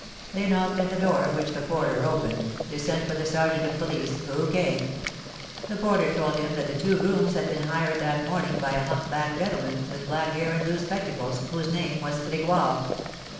They knocked at the door, which the porter opened, they sent for the sergeant of police, who came. The porter told him that the two rooms had been hired that morning by a humpbacked gentleman, with black hair and blue spectacles, whose name was Grégoire.